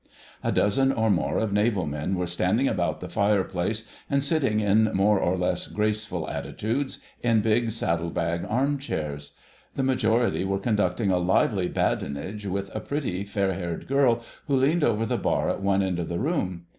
A dozen or more of Naval men were standing about the fireplace and sitting in more or less graceful attitudes in big saddle bag arm chairs. The majority were conducting a lively badinage with a pretty, fair haired girl who leaned over the bar at one end of the room.